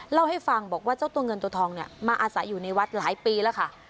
เล่าให้ฟังบอกว่าเจ้าตัวเงินตัวทองเนี่ยมาอาศัยอยู่ในวัดหลายปีแล้วค่ะ